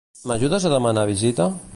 M'ajudes a demanar visita?